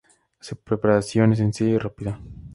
Su preparación es sencilla y rápida.